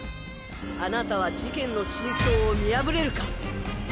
あなたは事件の真相を見破れるか？